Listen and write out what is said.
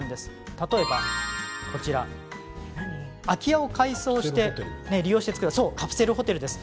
例えば、空き家を改装して利用して作ったカプセルホテルです。